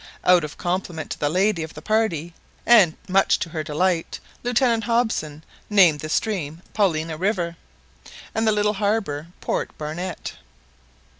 Out of compliment to the lady of the party, and much to her delight, Lieutenant Hobson named the stream Paulina river, and the little harbour Port Barnett.